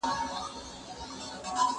هغه وويل چي ليکنې ضروري دي